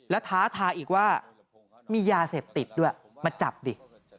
แล้วท้าทายอีกว่ามียาเสพติดด้วยมาจับดิ